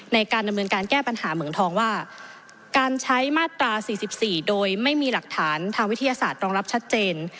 ในการดำเนินการแก้ปัญหาเหมืองทองว่าการใช้มาตรา๔๔โดยไม่มีหลักฐานทางวิทยาศาสตร์รองรับชัดเจน